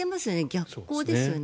逆行ですよね。